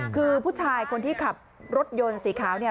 คือผู้ชายคนที่ขับรถยนต์สีขาวเนี่ย